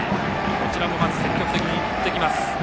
こちらも積極的に振ってきます。